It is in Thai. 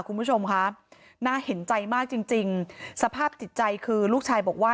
คุณผู้ชมค่ะน่าเห็นใจมากจริงจริงสภาพจิตใจคือลูกชายบอกว่า